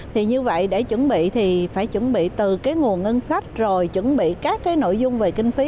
thì như vậy để chuẩn bị thì phải chuẩn bị từ cái nguồn ngân sách rồi chuẩn bị các cái nội dung về kinh phí